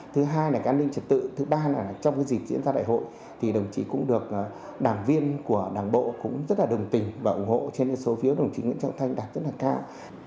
thứ hai là an ninh trật tự thứ ba là trong dịp diễn ra đại hội thì đồng chí cũng được đảng viên của đảng bộ cũng rất là đồng tình và ủng hộ trên số phiếu đồng chí nguyễn trọng thanh đạt rất là cao